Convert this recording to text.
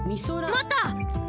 まった！